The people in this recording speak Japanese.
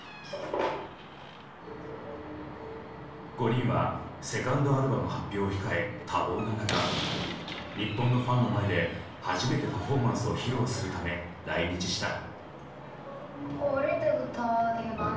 ５人はセカンドアルバム発表を控え多忙な中日本のファンの前で初めてパフォーマンスを披露するため来日した。